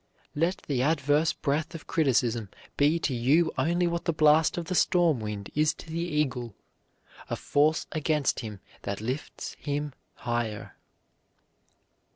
"Let the adverse breath of criticism be to you only what the blast of the storm wind is to the eagle, a force against him that lifts him higher."